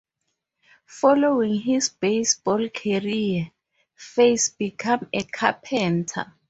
Following his baseball career, Face became a carpenter.